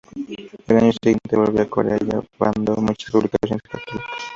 El año siguiente volvió a Corea llevando muchas publicaciones católicas.